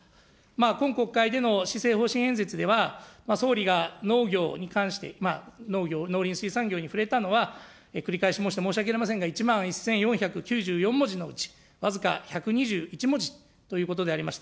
今国会での施政方針演説では、総理が、農業に関して、農業、農林水産業に触れたのは、繰り返し申して申し訳ありませんが、１万文字のうち、僅か１２１文字ということでありました。